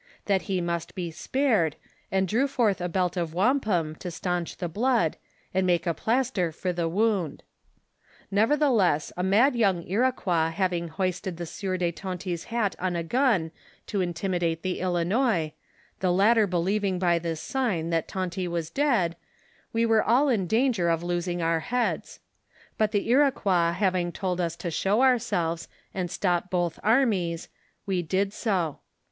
that he must bo spared, and drew forth a belt of wampum to stanch the blood, and make a plaster for tho wound. Kevertheless a mad young Iroquois having hoisted tho siour de Tonty's hat on a gun to intimidate the Ilinois, the latter believing by this sign that Tonty was dead, we were all in danger of losing our heads ; but the Iroquois having told us to show ourselves and stop both armies, wo did so.